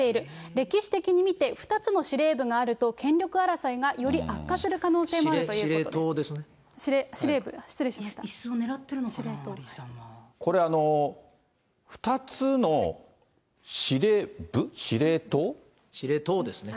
歴史的に見て２つの司令部があると、権力争いがより悪化する可能司令塔ですね。